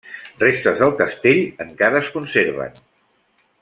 Restes del castell encara es conserven.